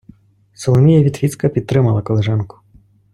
Соломія Вітвіцька підтримала колежанку.